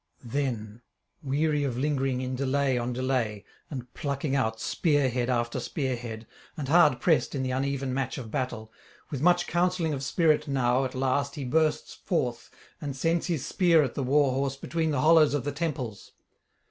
Then, weary of lingering in delay on delay, and plucking out spear head after spear head, and hard pressed in the uneven match of battle, with much counselling of spirit now at last he bursts forth, and sends his spear at the war horse between the hollows of the temples.